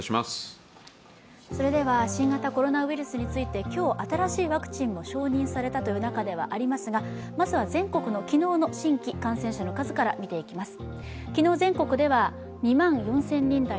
新型コロナウイルスについて今日、新しいワクチンも承認されたという中ですがまずは全国の昨日の新規感染者の数から見ていきます。